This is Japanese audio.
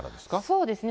そうですね。